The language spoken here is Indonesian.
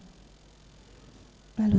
saya tidak mau